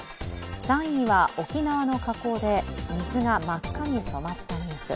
３位には、沖縄の河口で水が真っ赤に染まったニュース。